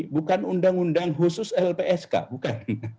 bukan undang undang khusus lpsk bukan